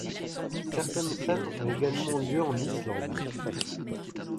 Certaines scènes ont également lieu en Islande.